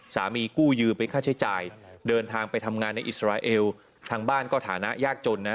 กู้ยืมไปค่าใช้จ่ายเดินทางไปทำงานในอิสราเอลทางบ้านก็ฐานะยากจนนะ